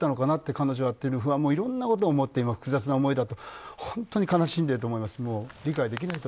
彼女はっていろんなことを思って複雑な思いだと本当に悲しんでいると思います。